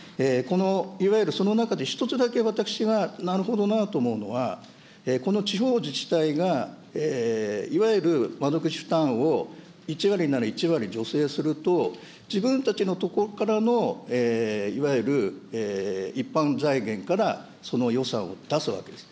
いわゆるその中で一つだけ、私がなるほどなと思うのは、この地方自治体がいわゆる窓口負担を１割なら１割助成すると、自分たちのところからのいわゆる一般財源からその予算を出すわけです。